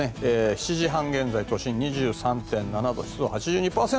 ７時半現在、都心２３．７度湿度８２％。